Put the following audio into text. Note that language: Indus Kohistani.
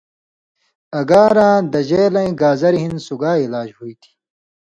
اگاراں دژیلَیں گازریۡ ہِن سُگائ علاج ہُوئ تھی